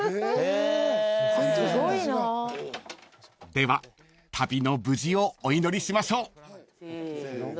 ［では旅の無事をお祈りしましょう］せの。